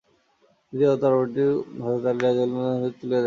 নিজের তরবারিটিও হযরত আলী রাযিয়াল্লাহু আনহু-এর হাতে তুলে দেন।